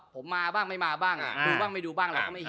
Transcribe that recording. ผมมาบ้างไม่มาบ้างดูบ้างไม่ดูบ้างเราก็ไม่เห็น